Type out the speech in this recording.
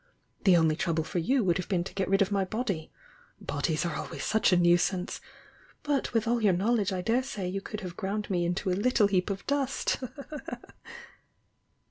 "The only trouble for you would have been to get rid of my body, — bodies are always such a nuisance! But with all your knowledge I daresay you could have ground me into a little heap of dust!"